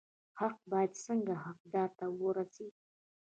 حق باید څنګه حقدار ته ورسي؟